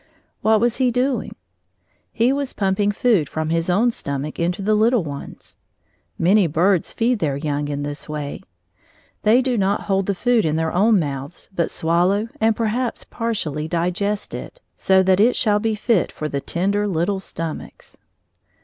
What was he doing? He was pumping food from his own stomach into the little one's. Many birds feed their young in this way. They do not hold the food in their own mouths, but swallow and perhaps partially digest it, so that it shall be fit for the tender little stomachs.